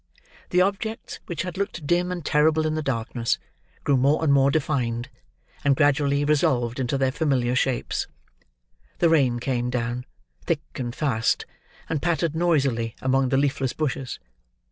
The objects which had looked dim and terrible in the darkness, grew more and more defined, and gradually resolved into their familiar shapes. The rain came down, thick and fast, and pattered noisily among the leafless bushes.